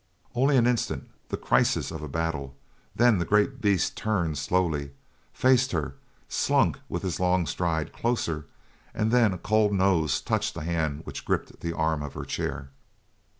Only an instant the crisis of a battle then the great beast turned slowly, faced her, slunk with his long stride closer, and then a cold nose touched the hand which gripped the arm of her chair.